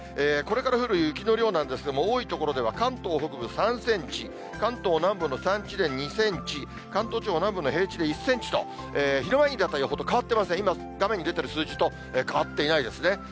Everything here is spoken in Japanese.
これから降る雪の量なんですが、多い所では関東北部３センチ、関東南部の山地で２センチ、関東地方南部の平地で１センチと、昼間に出た予報と変わっていますね、今、画面に出ている数字と変わっていないですね。